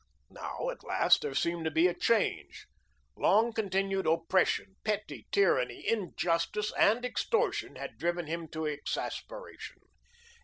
Now, at last, there seemed to be a change. Long continued oppression, petty tyranny, injustice and extortion had driven him to exasperation.